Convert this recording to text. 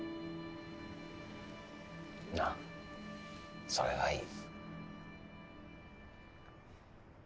なっそれがいい。